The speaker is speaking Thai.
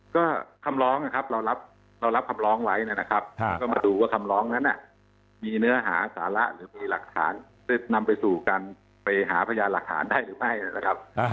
ก็คำร้องนะครับเรารับคำร้องไว้นะครับก็มาดูว่าคำร้องนั้นมีเนื้อหาสาระหรือมีหลักฐานจะนำไปสู่การไปหาพยานหลักฐานได้หรือไม่นะครับ